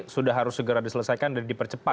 sudah harus segera diselesaikan dan dipercepat